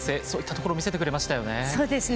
そういったところ見せてくれました。